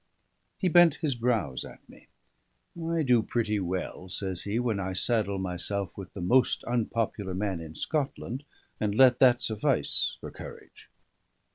He bent his brows at me. "I do pretty well," says he, "when I saddle myself with the most unpopular man in Scotland, and let that suffice for courage."